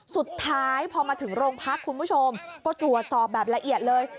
สุดท้ายพอมาถึงโรงพักคุณผู้ชมก็ตรวจสอบแบบละเอียดเลย